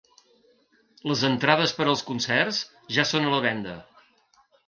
Les entrades per als concerts ja són a la venda.